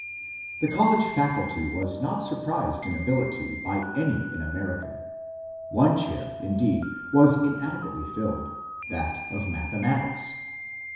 Tbe college Faculty was not surpassed in ability by any in America. One cbair indeed was inadequately filled, — tbat of matbematics.